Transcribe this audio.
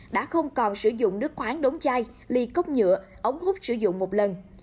đã không còn sử dụng nước khoáng đống chai ly cốc nhựa ống hút sử dụng một lần